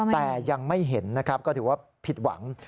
แต่ยังไม่เห็นนะครับก็ถือว่าผิดหวัง